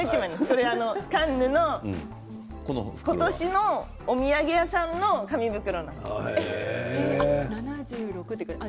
今年のカンヌのお土産屋さんの紙袋なんです。